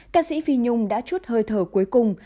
ca sĩ phi nhung đã chút hơi thở cuối cùng